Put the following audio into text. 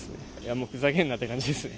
もうふざけんなって感じですね。